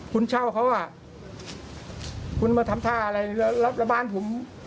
คุณเช่าเขาอ่ะคุณมาทำท่าอะไรแล้วบ้านผม